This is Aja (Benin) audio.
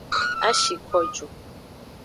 A shi ko ju.